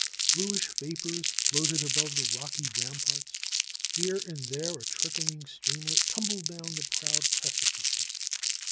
Bluish vapors floated above the rocky ramparts. Here and there a trickling streamlet tumbled down the proud precipices.